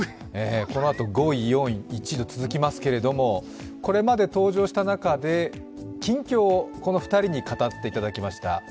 このあと、５位、４位１位と続きますけどこれまで登場した中で、近況をこの２人に語っていただきました。